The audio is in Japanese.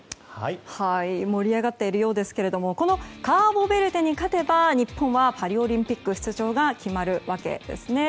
盛り上がっているようですがこのカーボベルデに勝てば日本はパリオリンピックへの出場が決まるわけですね。